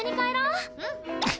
うん。